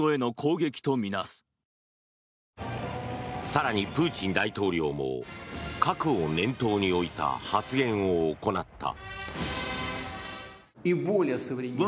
更に、プーチン大統領も核を念頭に置いた発言を行った。